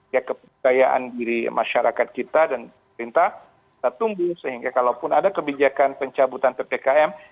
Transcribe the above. ya kepercayaan diri masyarakat kita dan pemerintah kita tunggu sehingga kalaupun ada kebijakan pencabutan ppkm